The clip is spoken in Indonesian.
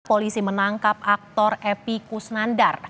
polisi menangkap aktor epi kusnandar